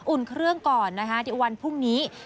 อุ่นเครื่องก่อนนะคะเดี๋ยววันพรุ่งนี้